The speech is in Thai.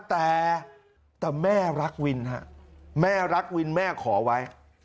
แต่แต่แม่รักวินฮะแม่รักวินแม่ขอไว้